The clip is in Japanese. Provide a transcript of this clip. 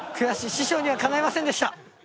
師匠にはかないませんでした。